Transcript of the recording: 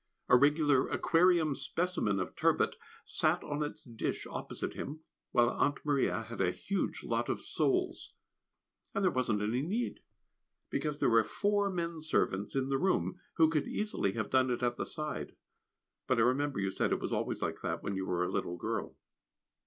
A regular aquarium specimen of turbot sat on its dish opposite him, while Aunt Maria had a huge lot of soles. And there wasn't any need, because there were four men servants in the room who could easily have done it at the side; but I remember you said it was always like that when you were a little girl.